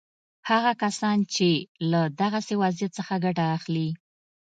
هغه کسان چې له دغسې وضعیت څخه ګټه اخلي.